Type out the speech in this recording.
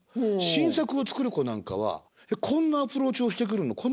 新作を作る子なんかはえっこんなアプローチをしてくるの？